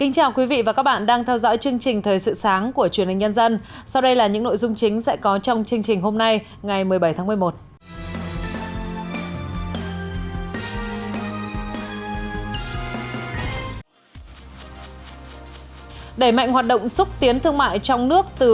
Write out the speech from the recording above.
các bạn hãy đăng ký kênh để ủng hộ kênh của chúng mình nhé